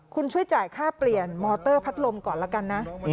คุณช่วยจ่ายค่าเปลี่ยนมอเตอร์พัดลมก่อนละกันนะ